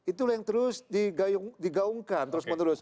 itulah yang terus digaungkan terus menerus